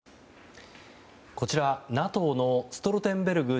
こちら、ＮＡＴＯのストルテンベルグ